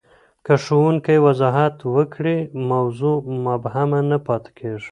که ښوونکی وضاحت وکړي، موضوع مبهمه نه پاته کېږي.